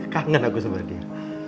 kangen aku sama dia